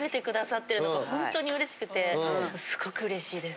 すごく嬉しいです。